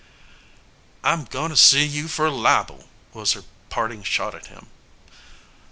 "I'm goin' to sue you for libel!" was her parting shot at him.